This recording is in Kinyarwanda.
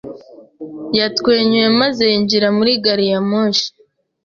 Yatwenyuye maze yinjira muri gari ya moshi.